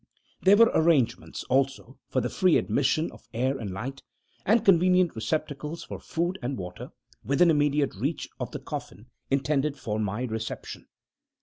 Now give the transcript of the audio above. There were arrangements also for the free admission of air and light, and convenient receptacles for food and water, within immediate reach of the coffin intended for my reception.